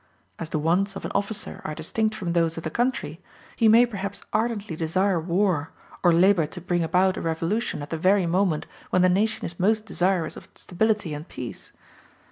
As the wants of an officer are distinct from those of the country, he may perhaps ardently desire war, or labor to bring about a revolution at the very moment when the nation is most desirous of stability and peace.